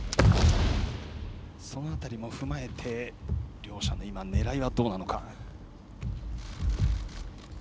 その辺りも踏まえて両者の狙いはどうなのか。